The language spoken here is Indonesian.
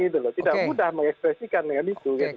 tidak mudah mengekspresikan dengan itu